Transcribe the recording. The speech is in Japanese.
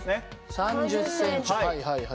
３０センチはいはいはい。